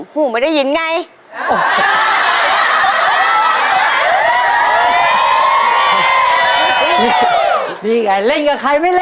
หูไม่ได้ยินไง